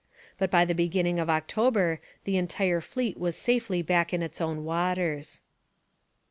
But by the beginning of October, the entire fleet was safely back in its own waters.